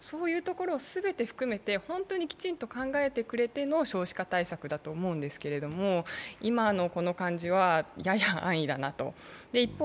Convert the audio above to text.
そういうところを全て含めて本当にきちっと考えてくれての少子化対策だと思うんですけど、今のこの感じは、やや安易だなと。